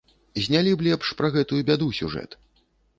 Знялі б лепш пра гэтую бяду сюжэт.